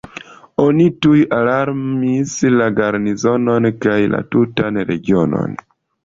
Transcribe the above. Oni tuj alarmis la garnizonon kaj la tutan regionon.